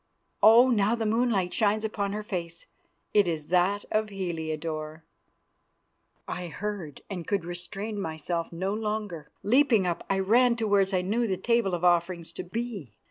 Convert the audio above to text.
Oh! now the moonlight shines upon her face; it is that of Heliodore!" I heard and could restrain myself no longer. Leaping up, I ran towards where I knew the Table of Offerings to be.